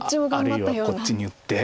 あるいはこっちに打って。